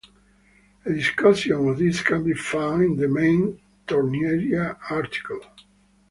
A discussion of this can be found in the main "Tornieria" article.